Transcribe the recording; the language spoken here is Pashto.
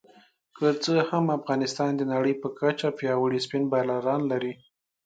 که څه هم افغانستان د نړۍ په کچه پياوړي سپېن بالران لري